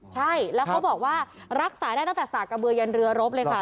ใช่แล้วเขาบอกว่ารักษาได้ตั้งแต่สากกระเบือยันเรือรบเลยค่ะ